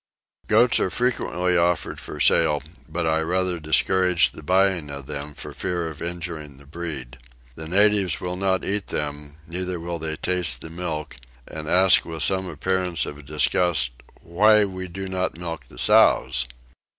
Goats are frequently offered for sale, but I rather discouraged the buying of them for fear of injuring the breed. The natives will not eat them, neither will they taste the milk, and ask with some appearance of disgust why we do not milk the sows?